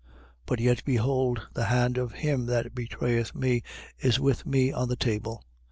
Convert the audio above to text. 22:21. But yet behold: the hand of him that betrayeth me is with me on the table.